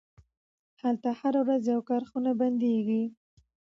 هلته هره ورځ یوه کارخونه بندیږي